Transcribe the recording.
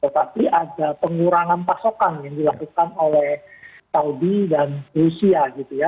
tapi ada pengurangan pasokan yang dilakukan oleh saudi dan rusia gitu ya